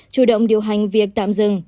chủ động điều hành việc tạm dừng